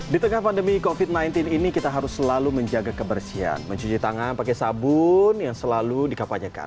di tengah pandemi covid sembilan belas ini kita harus selalu menjaga kebersihan mencuci tangan pakai sabun yang selalu dikapanyakan